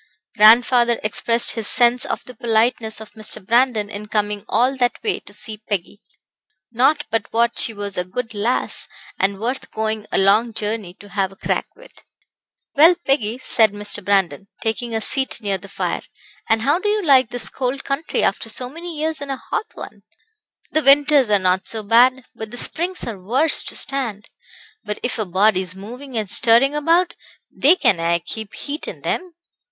Grandfather expressed his sense of the politeness of Mr. Brandon in coming all that way to see Peggy. Not but what she was a good lass, and worth going a long journey to have a crack with. "Well, Peggy," said Mr. Brandon, taking a seat near the fire, "and how do you like this cold country after so many years in a hot one?" "The winters are not so bad, but the springs are worse to stand. But if a body's moving and stirring about they can aye keep heat in them."